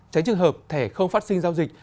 tránh trường hợp thẻ không phát sinh giao dịch